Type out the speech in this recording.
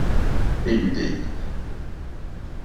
Et l’UDI